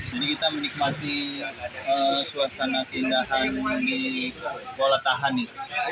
jadi kita menikmati suasana keindahan di kuala tahanit